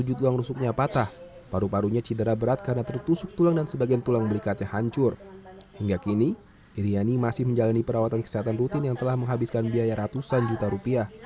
iryani menjaga keamanan kesehatan rutin yang telah menghabiskan biaya ratusan juta rupiah